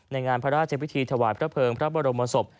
งานพระราชพิธีถวายพระเภิงพระบรมศพ